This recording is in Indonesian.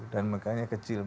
dan mereka kecil